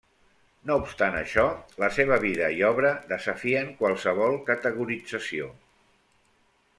No obstant això, la seva vida i obra desafien qualsevol categorització.